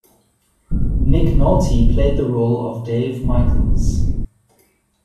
Nick Nolte played the role of Dave Michaels.